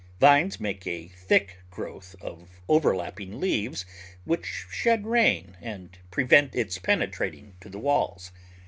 Vines make a thick growth of overlapping leaves which shed rain and prevent its penetrating to the walls.